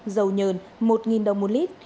dầu nhờn một đồng một lít